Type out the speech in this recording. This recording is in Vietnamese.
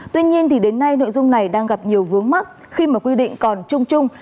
tuy nhiên thì đến nay nội dung này đang gặp nhiều vướng mắt khi mà quy định còn trung trung